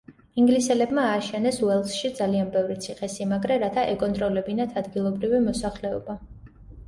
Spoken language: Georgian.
ინგლისელებმა ააშენეს უელსში ძალიან ბევრი ციხე-სიმაგრე რათა ეკონტროლებინათ ადგილობრივი მოსახლეობა.